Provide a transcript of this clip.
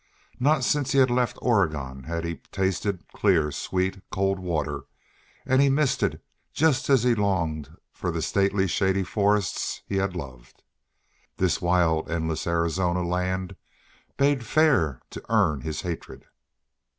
Not since he had left Oregon had he tasted clear, sweet, cold water; and he missed it just as he longed for the stately shady forests he had loved. This wild, endless Arizona land bade fair to earn his hatred.